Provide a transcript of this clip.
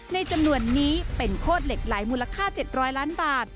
ในจำนวนนี้เป็นโคตรเหล็กไหลมูลค่า๗๐๐ล้านบาท